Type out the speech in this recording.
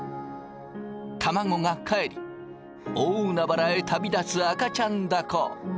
卵がかえり大海原へ旅立つ赤ちゃんだこ。